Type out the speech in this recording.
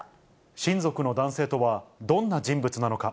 親族の男性とはどんな人物なのか。